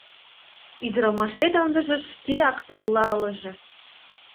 Ӱдырамашет ындыже шкеак тулла ылыже.